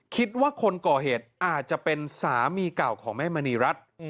คิดว่าคนก่อเหตุอาจจะเป็นสามีเก่าของแม่มณีรัฐ